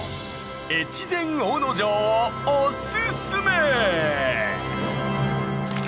越前大野城をおすすめ！